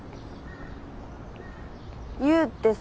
悠ってさ。